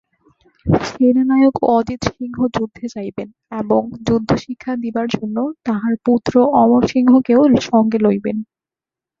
সেনানায়ক অজিতসিংহ যুদ্ধে যাইবেন এবং যুদ্ধশিক্ষা দিবার জন্য তাঁহার পুত্র অমরসিংহকেও সঙ্গে লইবেন।